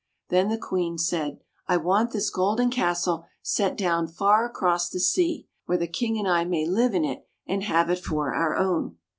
Then the Queen said, " I want this golden castle set down far across the sea, where the King and I may live in it and have it for our own."